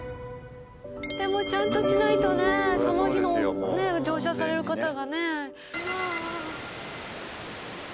でもちゃんとしないとねその日の乗車される方がね。